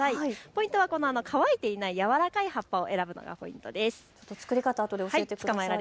ポイントは乾いていない柔らかい葉っぱを選ぶのがポイントです。